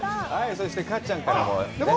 そして、かっちゃんからも。